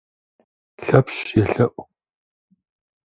Лъэпщ елъэӀу.